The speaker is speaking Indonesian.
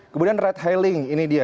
kemudian red heiling ini dia